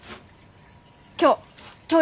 今日！